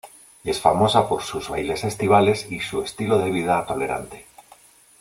Es famosa por sus bailes estivales y su estilo de vida tolerante.